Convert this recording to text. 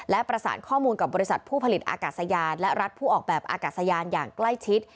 และประสานข้อมูลกับบริษัทผู้ผลิตอากาศยานและรัฐผู้ออกแบบอากาศยานอย่างใกล้ชิด